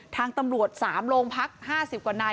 ทางตำรวจ๓โรงพัก๕๐กว่านาย